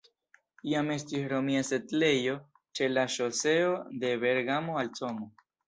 Jam estis romia setlejo ĉe la ŝoseo de Bergamo al Como.